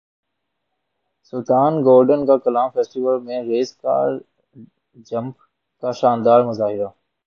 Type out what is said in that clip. سلطان golden کا Kalam festival میں reverse car jump کا شاندار مظاہرہ